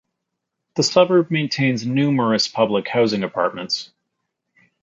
The suburb maintains numerous public housing apartments.